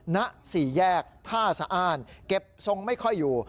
ณสี่แยกท่าสะอ้านเก็บทรงไม่ค่อยอยู่